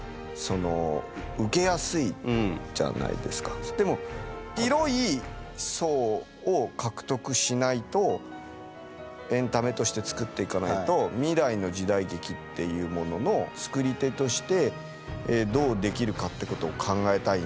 これはねでも広い層を獲得しないとエンタメとして作っていかないと未来の時代劇っていうものの作り手としてどうできるかってことを考えたいんです。